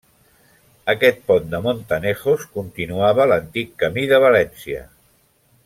Aquest pont de Montanejos continuava l'antic camí de València.